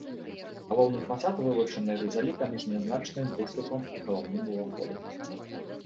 Галоўны фасад вылучаны рызалітам з нязначным выступам і галаўным уваходам.